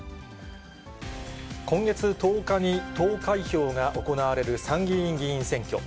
今月１０日に投開票が行われる参議院議員選挙。